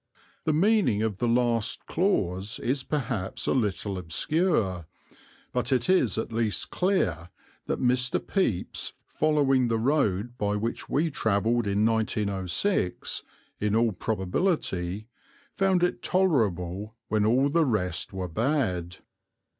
The meaning of the last clause is perhaps a little obscure; but it is at least clear that Mr. Pepys, following the road by which we travelled in 1906 in all probability, found it tolerable when all the rest were bad.